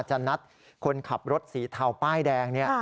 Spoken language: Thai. จะนัดคนขับรถสีเทาป้ายแดง